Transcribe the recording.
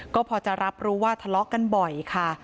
ก็พอจะรับรู้ว่าทะเลาะกันบ่อยค่ะ